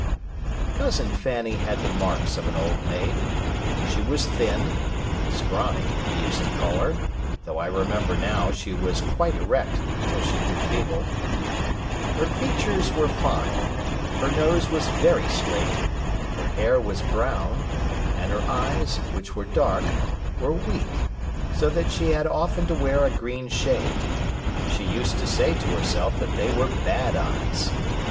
Cousin Fanny had the marks of an old maid. She was thin ("scrawny" we used to call her, though I remember now she was quite erect until she grew feeble); her features were fine; her nose was very straight; her hair was brown; and her eyes, which were dark, were weak, so that she had often to wear a green shade. She used to say herself that they were "bad eyes".